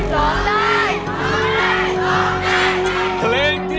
ร้องได้ร้องได้ร้องได้ร้องได้